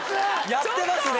やってますね！